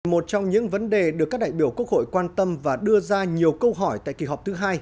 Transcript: một trong những vấn đề được các đại biểu quốc hội quan tâm và đưa ra nhiều câu hỏi tại kỳ họp thứ hai